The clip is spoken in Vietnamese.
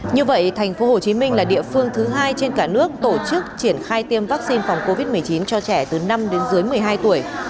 như vậy tp hcm là địa phương thứ hai trên cả nước tổ chức triển khai tiêm vaccine phòng covid một mươi chín cho trẻ từ năm đến dưới một mươi hai tuổi